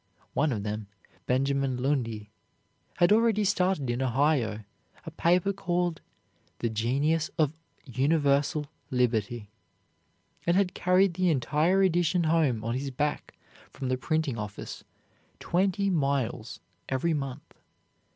One of them, Benjamin Lundy, had already started in Ohio a paper called "The Genius of Universal Liberty," and had carried the entire edition home on his back from the printing office, twenty miles, every month.